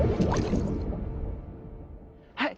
はい！